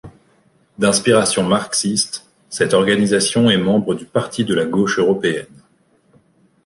D'inspiration marxiste, cette organisation est membre du Parti de la gauche européenne.